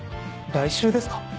来週ですか？